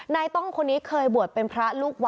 ต้องคนนี้เคยบวชเป็นพระลูกวัด